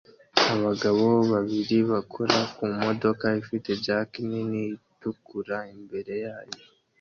Abagabo babiri bakora ku modoka ifite jack nini itukura imbere yayo